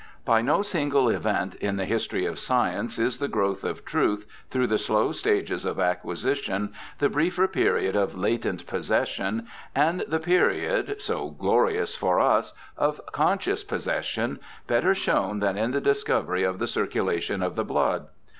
By no single event in the history of science is the growth of truth, through the slow stages of acquisition, the briefer period of latent possession, and the period, so glorious for us, of conscious possession, better shown than in the discovery of the circulation of the blood.